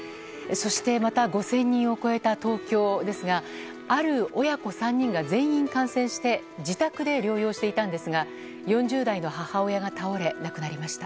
そしてまた５０００人を超えた東京ですがある親子３人が全員感染して自宅で療養していたんですが４０代の母親が倒れ亡くなりました。